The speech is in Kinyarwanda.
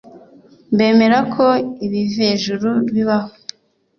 bemera ko ibivejuru bibaho